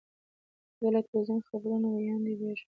زه د تلویزیون د خبرونو ویاند پیژنم.